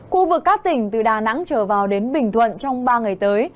khu vực các tỉnh từ đà nẵng trở vào đến bình thuận trong ba ngày tới